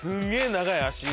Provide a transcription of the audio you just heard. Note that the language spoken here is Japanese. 長い足湯。